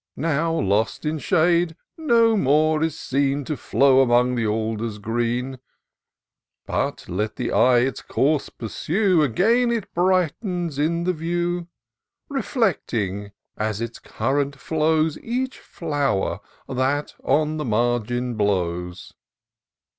Now, lost in shade, no more is seen To flow among the alders green ; But, let the eye its course pursue, Again it brightens in the view; Reflecting, as its current flows, Each flower that on the margin blows